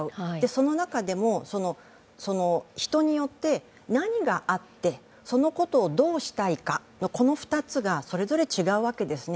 その中でも人によって、何があってそのことをどうしたいか、この２つがそれぞれ違うわけですね。